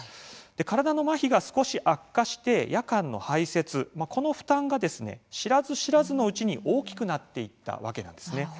体のまひが少し悪化して夜間の排せつ、この負担が知らず知らずのうちに大きくなっていったわけなんですね。